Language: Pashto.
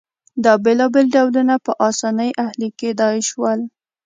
دا بېلابېل ډولونه په اسانۍ اهلي کېدای شول